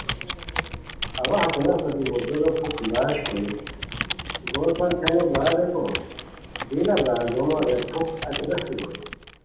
اوا ہتے نسہ بی موٹرو پُھک لش کوری گوسان تھے نو برار ریکو، دی لہ برار گومان رے پُھک اچی غیستی ہوئے